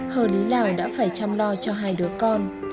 hờ lý lào đã phải chăm lo cho hai đứa con